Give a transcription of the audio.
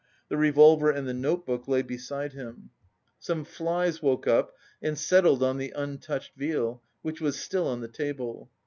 The revolver and the notebook lay beside him. Some flies woke up and settled on the untouched veal, which was still on the table.